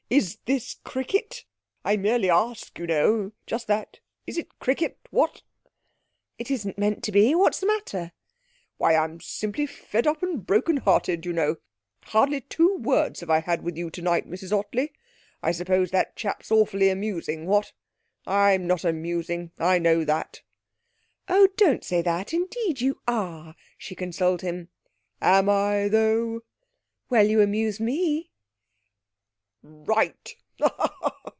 Is this cricket? I merely ask, you know. Just that is it cricket; what?' 'It isn't meant to be. What's the matter?' 'Why, I'm simply fed up and broken hearted, you know. Hardly two words have I had with you tonight, Mrs Ottley.... I suppose that chap's awfully amusing, what? I'm not amusing.... I know that.' 'Oh, don't say that. Indeed you are.' she consoled him. 'Am I though?' 'Well, you amuse me!' 'Right!'